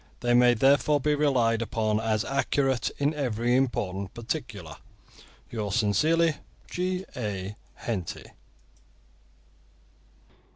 They may therefore be relied upon as accurate in every important particular. Yours sincerely, G. A. HENTY.